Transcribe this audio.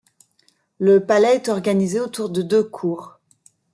Le palais est organisé autour de deux cours.